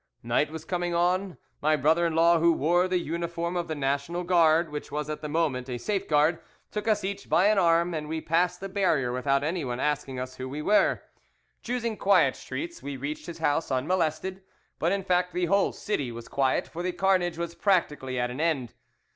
"Night was coming on. My brother in law, who wore the uniform of the National Guard, which was at that moment a safeguard, took us each by an arm, and we passed the barrier without anyone asking us who we were. Choosing quiet streets, we reached his house unmolested; but in fact the whole city was quiet, for the carnage was practically at an end.